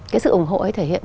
cái sự ủng hộ ấy thể hiện